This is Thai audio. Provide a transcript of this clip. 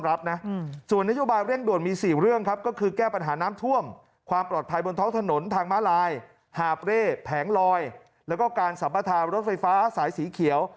แล้วก็การสรรพทางรถไฟฟ้าสายสีเขียว